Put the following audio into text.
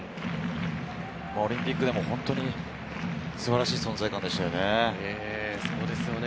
オリンピックでも本当に素晴らしい存在感でしたよね。